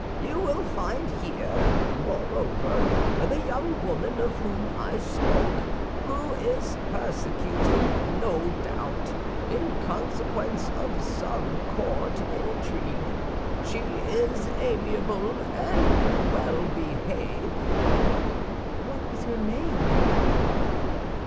You will find here, moreover, the young woman of whom I spoke, who is persecuted, no doubt, in consequence of some court intrigue. She is amiable and well behaved." "What is her name?"